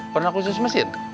pernah khusus mesin